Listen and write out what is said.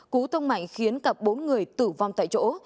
cú tông mạnh khiến cả bốn người tử vong tại chỗ